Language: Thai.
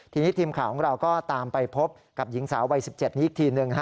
ทีนี้ทีมข่าวของเราก็ตามไปพบกับหญิงสาววัย๑๗นี้อีกทีหนึ่ง